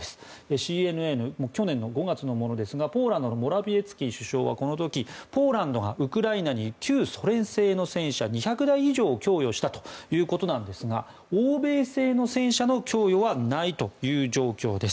ＣＮＮ、去年の５月のものですがポーランドのモラビエツキ首相は、この時ポーランドはウクライナに旧ソ連製の戦車２００台以上を供与したということですが欧米製の戦車の供与はないという状況です。